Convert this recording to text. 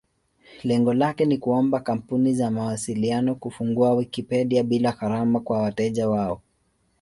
Lengo lake ni kuomba kampuni za mawasiliano kufungua Wikipedia bila gharama kwa wateja wao.